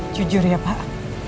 jujur ya pak